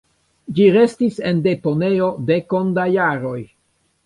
Ĝi restis en deponejo dekon da jaroj.